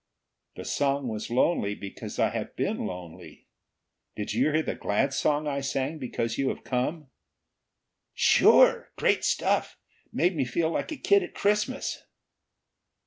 "The song was lonely because I have been lonely. Did you hear the glad song I sang because you have come?" "Sure! Great stuff! Made me feel like a kid at Christmas!"